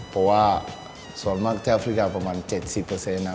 เพราะว่าส่วนมากที่อฟริกาประมาณ๗๐เปอร์เซ็นต์